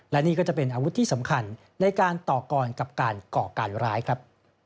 และนี่ก็จะเป็นอาวุธที่สำคัญในการต่อกรกับการก่อการร้ายครับ